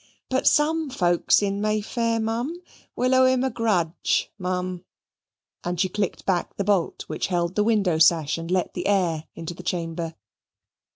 But some folks in May Fair, m'am, will owe him a grudge, m'am"; and she clicked back the bolt which held the window sash and let the air into the chamber.